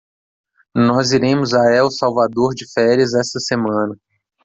Nós iremos a El Salvador de férias esta semana.